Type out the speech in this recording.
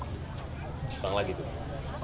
hutang lagi tuh